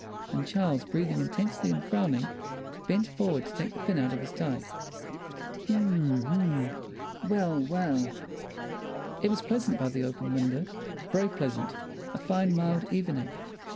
And Charles, breathing intensely and frowning, bent forward to take the pin out of his tie. H'm, h'm! Well, well! It was pleasant by the open window, very pleasant—a fine mild evening.